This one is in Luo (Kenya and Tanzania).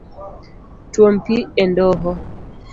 Twom pi e ndoho.